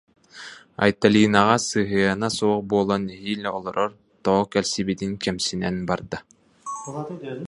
Айталинаҕа сыһыана суох буолан нэһиилэ олорор, тоҕо кэлсибитин кэмсинэн барда